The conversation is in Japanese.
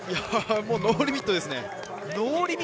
ノーリミットですね。